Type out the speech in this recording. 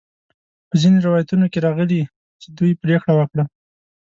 په ځینو روایتونو کې راغلي چې دوی پریکړه وکړه.